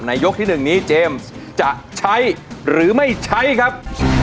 ยกที่๑นี้เจมส์จะใช้หรือไม่ใช้ครับ